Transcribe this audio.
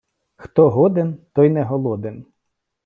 Хто годен, той не голоден.